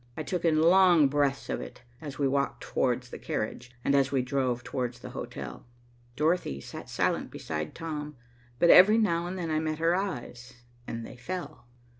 I took in long breaths of it, as we walked towards the carriage and as we drove towards the hotel. Dorothy sat silent beside Tom, but every now and then I met her eyes, and they fell.